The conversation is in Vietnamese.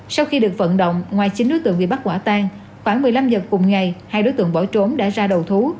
sau khi được vận động ngoài chín đối tượng bị bắt quả tan khoảng một mươi năm h cùng ngày hai đối tượng bỏ trốn đã ra đầu thú